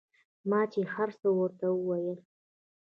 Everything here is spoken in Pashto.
ما چې هرڅه ورته وويل.